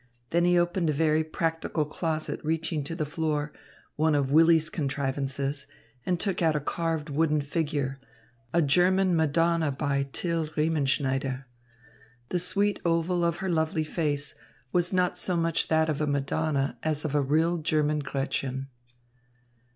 Then he opened a very practical closet reaching to the floor, one of Willy's contrivances, and took out a carved wooden figure, a German Madonna by Till Riemenschneider. The sweet oval of her lovely face was not so much that of a Madonna as of a real German Gretchen.